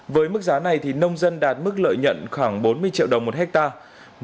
với mức giá này nông dân đạt mức lợi nhận khoảng bốn mươi triệu đồng một hectare